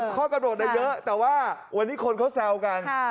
ข้อกำหนดเยอะแต่ว่าวันนี้คนเขาแซวกัน